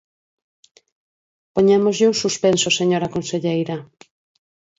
Poñémoslle un suspenso, señora conselleira.